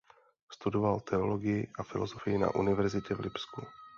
Studoval teologii a filozofii na univerzitě v Lipsku.